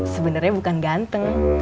sebenernya bukan ganteng